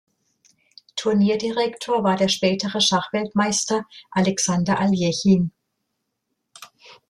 Turnierdirektor war der spätere Schachweltmeister Alexander Aljechin.